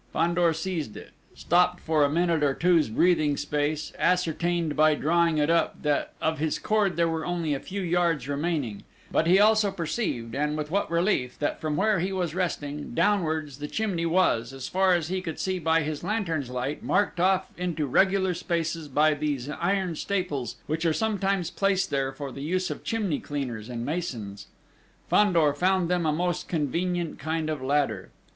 Fandor seized it, stopped for a minute or two's breathing space, ascertained, by drawing it up, that of his cord there were only a few yards remaining; but he also perceived, and with what relief, that from where he was resting, downwards the chimney was, as far as he could see by his lantern's light, marked off into regular spaces by these iron staples which are sometimes placed there for the use of chimney cleaners and masons. Fandor found them a most convenient kind of ladder.